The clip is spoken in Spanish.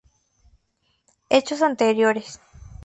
Hechos anteriores.